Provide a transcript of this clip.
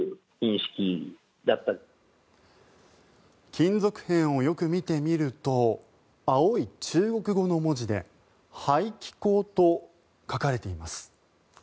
金属片をよく見てみると青い中国語の文字で「排気孔」と書かれています。